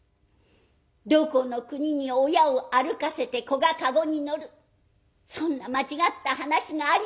どこの国に親を歩かせて子が駕籠に乗るそんな間違った話がありましょう。